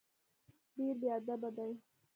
ډېر بېادبه دی.